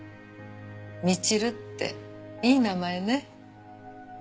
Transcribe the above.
みちるっていい名前ね。